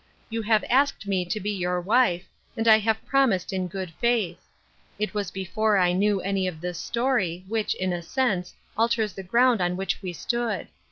You have asked me to be your wife, and I have promised in good faith. It was before I knew any of this story, which, in a sense, alters the ground on which we stood.